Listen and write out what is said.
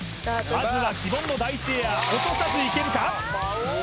まずは鬼門の第１エア落とさずいけるか？